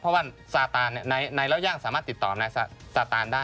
เพราะว่าซาตานนายเล่าย่างสามารถติดต่อนายซาตานได้